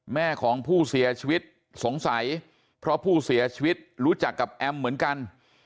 แม่ของผู้เสียชีวิตสงสัยเพราะผู้เสียชีวิตรู้จักกับแอมเหมือนกัน